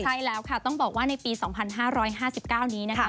ใช่แล้วค่ะต้องบอกว่าในปี๒๕๕๙นี้นะคะ